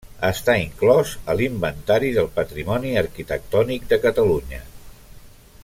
Està inclòs a l'Inventari del Patrimoni Arquitectònic de Catalunya.